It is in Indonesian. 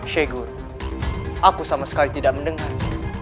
syekh guru aku sama sekali tidak mendengar